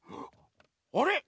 あれ？